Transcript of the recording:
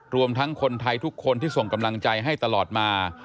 รวมทั้งคนไทยทุกคนที่ส่งกำลังใจให้ตลอดมา